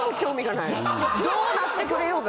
どうなってくれようが。